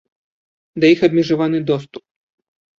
Да іх абмежаваны доступ.